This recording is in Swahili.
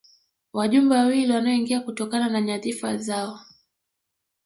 Wajumbe wawili wanaoingia kutokana na nyadhifa zao